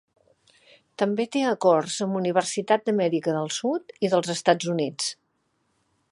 També té acords amb universitat d'Amèrica del Sud i dels Estats Units.